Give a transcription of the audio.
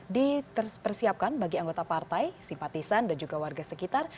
dipersiapkan bagi anggota partai simpatisan dan juga warga sekitar